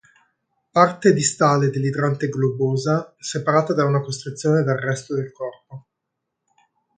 Parte distale dell'idrante globosa, separata da una costrizione dal resto del corpo.